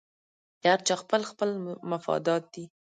د هر چا خپل خپل مفادات دي